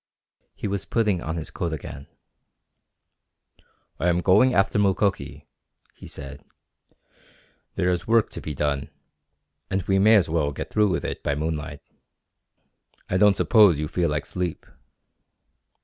He was putting on his coat again. "I am going after Mukoki," he said. "There is work to be done, and we may as well get through with it by moonlight. I don't suppose you feel like sleep?"